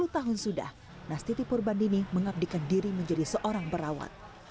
sepuluh tahun sudah nastiti purbandini mengabdikan diri menjadi seorang perawat